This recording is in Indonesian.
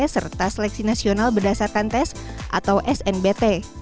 serta seleksi nasional berdasarkan prestasi atau snbp